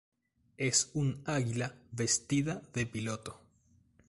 Es un águila vestida de piloto.